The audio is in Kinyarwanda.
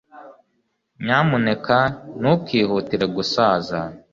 nyamuneka ntukihutire gusaza